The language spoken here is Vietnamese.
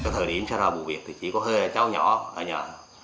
thời điểm xa ra vụ việc thì chỉ có hơi cháu nhỏ ở nhà